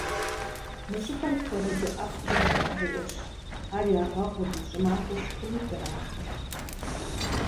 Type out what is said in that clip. Мы щӏыпӏэр хуэрэджэ ӏэфӏкӏэ цӏэрыӏуэщ, ар ягъэгъури, щӏымахуэ шхыну зэрахьэ.